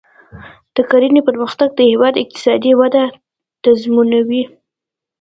د کرنې پرمختګ د هیواد اقتصادي وده تضمینوي.